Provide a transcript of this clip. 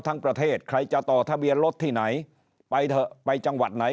ทั้งประเทศใครจะต่อทะเบียนรถที่ไหนไปเถอะไปจังหวัดไหน